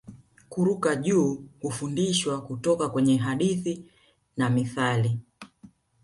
Kuruka juu hufundishwa kutoka kwenye hadithi na mithali